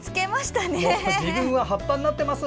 自分は葉っぱになってます！